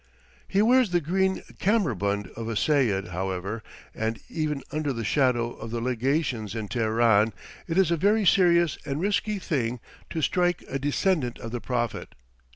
He wears the green kammerbund of a seyud, however; and even under the shadow of the legations in Teheran, it is a very serious and risky thing to strike a descendant of the Prophet.